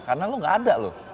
karena lu nggak ada loh